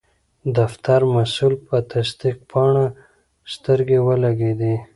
د فتر مسول په تصدیق پاڼه سترګې ولګیدې.